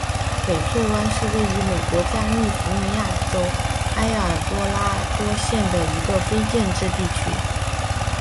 翡翠湾是位于美国加利福尼亚州埃尔多拉多县的一个非建制地区。